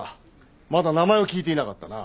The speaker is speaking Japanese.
まだ名前を聞いていなかったな。